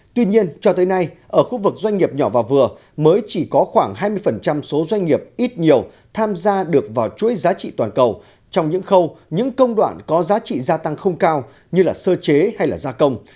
tuy nhiên cho tới nay ở khu vực doanh nghiệp nhỏ và vừa mới chỉ có khoảng hai mươi số doanh nghiệp ít nhiều tham gia được vào chuỗi giá trị toàn cầu trong những khâu những công đoạn có giá trị gia tăng không cao như sơ chế hay là gia công